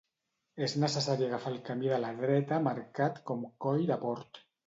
És necessari agafar el camí de la dreta marcat com Coll de Port.